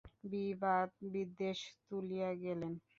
বিবাদ বিদ্বেষ তুলিয়া গেলেন।